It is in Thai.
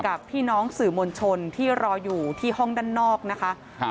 กับพี่น้องสื่อมวลชนที่รออยู่ที่ห้องด้านนอกนะคะครับ